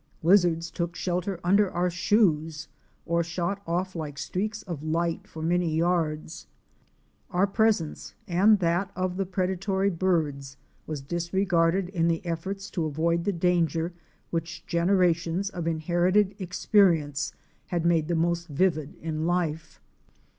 Lizards took shelter under our shoes or shot off like streaks of light for many yards. Our presence and that of the predatory birds was disregarded in the efforts to avoid the danger which generations of inherited experience had made the most vivid in hfe.